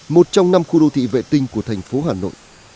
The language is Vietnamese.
một trong năm khu đô thị vệ tinh của thành phố hà nội